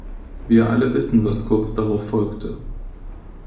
Wir alle wissen, was kurz darauf folgte.